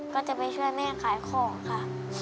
ก็จะไปช่วยแม่ขายของค่ะ